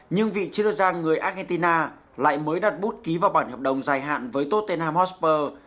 nhưng vị chiến lược gia người argentina lại mới đặt bút ký vào bản hợp đồng dài hạn với tottenham hotspur